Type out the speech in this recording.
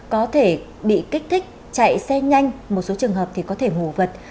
có thể bị kích thích chạy xe nhanh một số trường hợp thì có thể ngủ vật